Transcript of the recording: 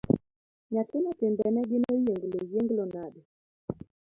Nyathino timbene gin oyienglo yienglo nade.